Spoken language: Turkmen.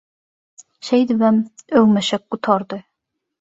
Şeýdibem «öwmeşek» gutardy.